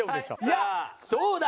いやどうだ？